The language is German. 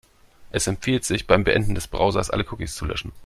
Es empfiehlt sich, beim Beenden des Browsers alle Cookies zu löschen.